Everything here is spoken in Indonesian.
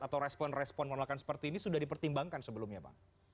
atau respon respon penolakan seperti ini sudah dipertimbangkan sebelumnya pak